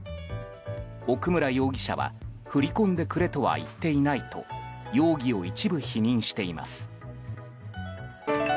奥村容疑者は、振り込んでくれとは言っていないと容疑を一部否認しています。